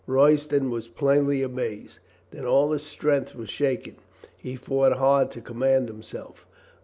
Royston was plainly amazed. Then all his strength was shaken. He fought hard to command himself.